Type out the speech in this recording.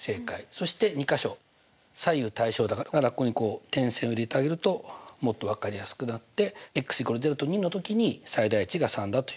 そして２か所左右対称だからだからここにこう点線を入れてあげるともっと分かりやすくなって＝０と２のときに最大値が３だということが分かると。